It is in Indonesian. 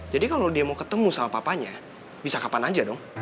jadi kalo dia mau ketemu sama papanya bisa kapan aja dong